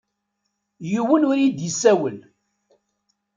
Yiwen ur iyi-d-issawel.